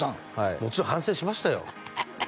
もちろん反省しましたよ